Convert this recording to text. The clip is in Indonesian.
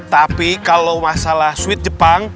tapi kalau masalah sweet jepang